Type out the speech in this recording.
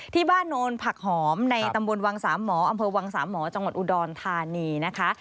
โนนผักหอมในตำบลวังสามหมออำเภอวังสามหมอจังหวัดอุดรธานีนะคะ